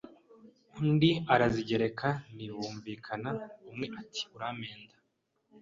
undi arazigereka ntibumvikana, umwe ati urampenda,